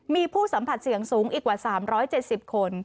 มีผู้สัมผัสเสี่ยงสูงอีกกว่า๓๗๐คน